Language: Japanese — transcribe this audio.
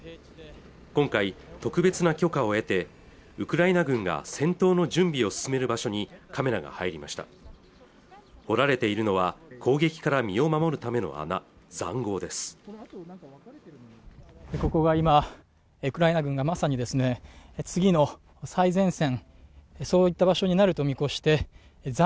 今回特別な許可を得てウクライナ軍が戦闘の準備を進める場所にカメラが入りました掘られているのは攻撃から身を守るための穴ざんごうですこの先